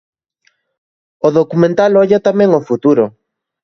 O documental olla, tamén, ao futuro.